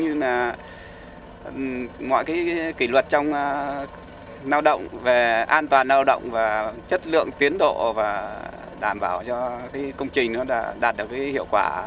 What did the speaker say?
bảo đảm bảo cho công trình đạt được hiệu quả